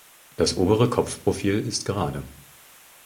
Das obere Kopfprofil ist gerade.